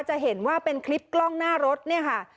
จะเห็นว่าเป็นคลิปกล้องหน้ารถเนี่ยค่ะ